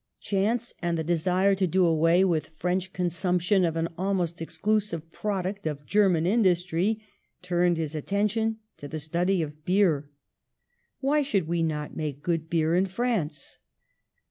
Chance and the desire to do away with French consumption of an almost exclusive product of German industry turned his attention to the study of beer. Why should we not make good beer in France?